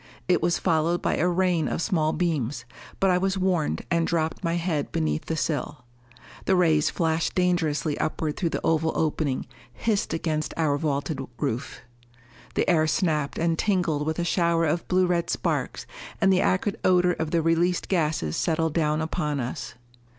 It was followed by a rain of small beams, but I was warned and dropped my head beneath the sill. The rays flashed dangerously upward through the oval opening, hissed against our vaulted roof. The air snapped and tingled with a shower of blue red sparks, and the acrid odor of the released gases settled down upon us.